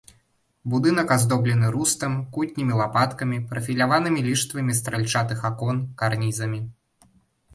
Будынак аздоблены рустам, кутнімі лапаткамі, прафіляванымі ліштвамі стральчатых акон, карнізамі.